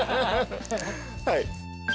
はい。